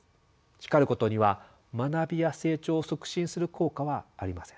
叱ることには学びや成長を促進する効果はありません。